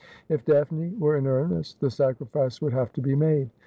If Daphne were in earnest the sacri fice would have to be made.